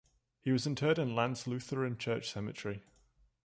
He was interred in Lands Lutheran Church cemetery.